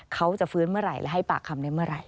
เขาจะฟื้นเมื่อไหร่และให้ปากคำในเมื่อไหร